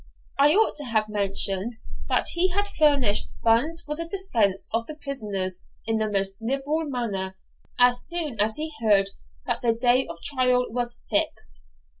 I ought to have mentioned that he had furnished funds for the defence of the prisoners in the most liberal manner, as soon as he heard that the day of trial was fixed.